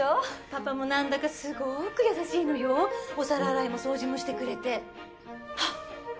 パパも何だかすごーく優しいのよお皿洗いも掃除もしてくれてはっ！